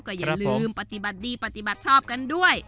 ก็อย่าลืมปฏิบัติดีปฏิบัติชอบกันด้วย